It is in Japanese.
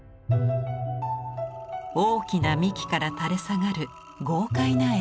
大きな幹から垂れ下がる豪快な枝ぶり。